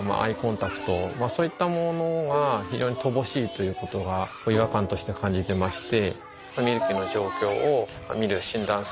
ということが違和感として感じていまして。